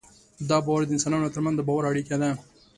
دا باور د انسانانو تر منځ د باور اړیکه ده.